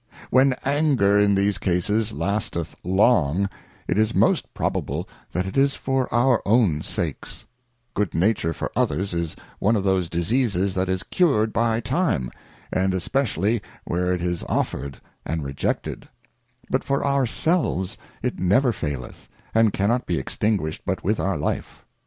When Anger in these cases lasteth long, it is most probable that it is for our own sakes ; Good nature for others is one of those Diseases that is cured by time, and especially where it is offered and rejected; but for our selves it never faileth, and cannot be extinguished but with our life.